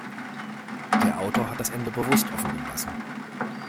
Der Autor hat das Ende bewusst offen gelassen.